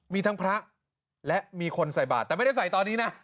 มีทั้งพระและมีคนใส่บาทแต่ไม่ได้ใส่ตอนนี้นะ